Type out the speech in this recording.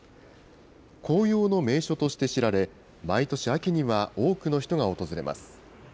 紅葉の名所として知られ、毎年秋には多くの人が訪れます。